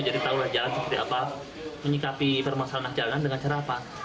jadi tahulah jalan seperti apa menyikapi permasalahan jalanan dengan cara apa